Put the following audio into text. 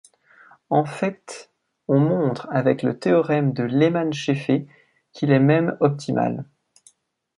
En fait, on montre avec le théorème de Lehmann-Scheffé qu'il est même optimal.